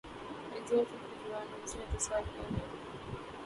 magazine shoot کے دوران جنسی استحصال کیا گیا